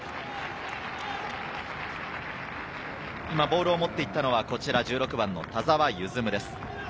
今、ボールを持っていったのは１６番の田澤夢積です。